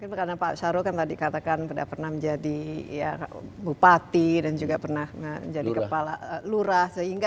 enggak pernah tadi katakan kena pernah menjadi bupati dan juga pernah jadi kepala lurah sehingga